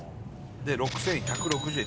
「６１６０円」